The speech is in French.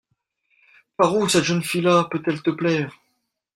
Par où cette jeune fille-là peut-elle te plaire ?